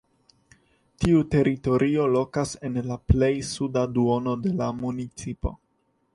Tiu teritorio lokas en la plej suda duono de la municipo.